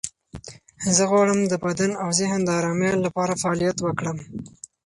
زه غواړم د بدن او ذهن د آرامۍ لپاره فعالیت وکړم.